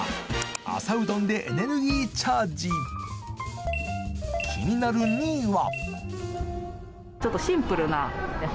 朝うどんでエネルギーチャージ気になる２位は？